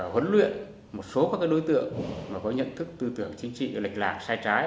huấn luyện một số các đối tượng có nhận thức tư tưởng chính trị lệch lạc sai trái